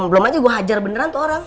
belum aja gue hajar beneran tuh orang